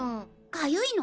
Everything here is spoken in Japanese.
かゆいの？